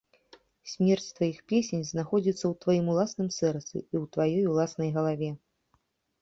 Смерць тваіх песень знаходзіцца ў тваім уласным сэрцы і ў тваёй уласнай галаве.